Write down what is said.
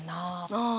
ああ。